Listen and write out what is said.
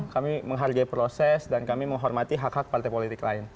kami menghargai proses dan kami menghormati hak hak partai politik lain